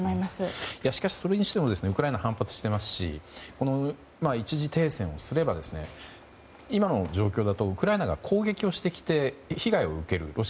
それにしてもウクライナは反発していますし一時停戦すれば今の状況だとウクライナが攻撃をしてきて被害を受ける。